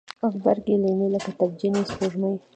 غبرګي لیمې لکه تبجنې سپوږمۍ